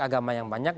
agama yang banyak